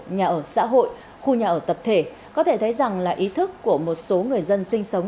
nhà ở xã hội khu nhà ở tập thể có thể thấy rằng là ý thức của một số người dân sinh sống